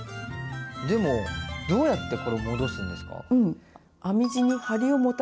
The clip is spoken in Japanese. でもどうやってこれを戻すんですか？